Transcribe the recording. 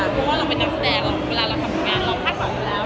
เพราะว่าเราเป็นนักแสดงเวลาเราทำงานเราคาดหวังอยู่แล้ว